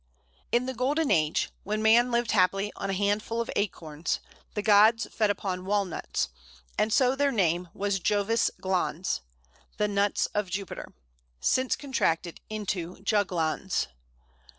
In the Golden Age, when man lived happily on a handful of acorns, the gods fed upon walnuts, and so their name was Jovis glans the nuts of Jupiter since contracted into Juglans.